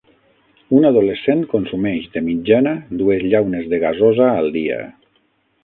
Un adolescent consumeix de mitjana dues llaunes de gasosa al dia.